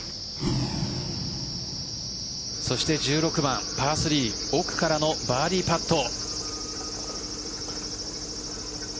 そして１６番、パー３奥からのバーディーパット。